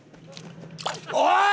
おい！